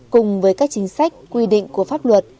cùng với các chính sách quy định của pháp luật